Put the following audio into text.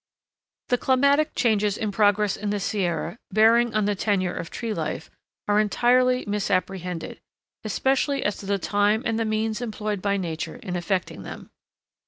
The climatic changes in progress in the Sierra, bearing on the tenure of tree life, are entirely misapprehended, especially as to the time and the means employed by Nature in effecting them.